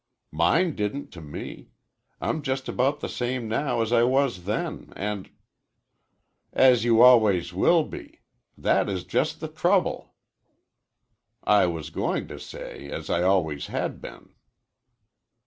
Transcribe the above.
"Mine didn't to me. I'm just about the same now as I was then, and " "As you always will be. That is just the trouble." "I was going to say, as I always had been."